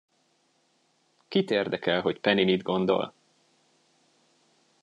Kit érdekel, hogy Penny mit gondol?